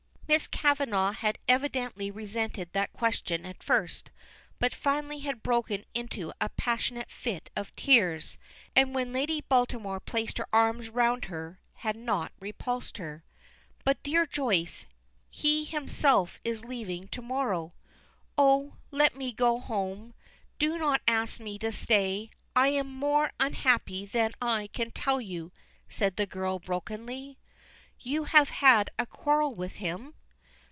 Miss Kavanagh had evidently resented that question at first, but finally had broken into a passionate fit of tears, and when Lady Baltimore placed her arms round her had not repulsed her. "But, dear Joyce, he himself is leaving to morrow." "Oh, let me go home. Do not ask me to stay. I am more unhappy than I can tell you," said the girl brokenly. "You have had a quarrel with him?"